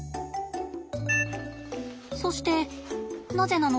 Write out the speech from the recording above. そしてなぜなの？